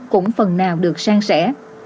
cũng phần nào được sang sẻ